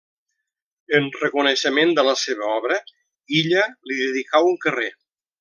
En reconeixement de la seva obra, Illa li dedicà un carrer.